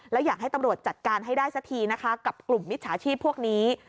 แล้วอยากให้ตำรวจจัดการให้ได้สักทีนะคะกับกลุ่มมิจฉาชีพพวกนี้